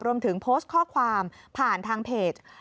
รวมถึงโพสต์ข้อความผ่านทางเพจ